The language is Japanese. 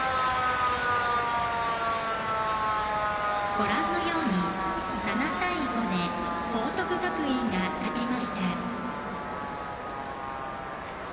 ご覧のように７対５で報徳学園が勝ちました。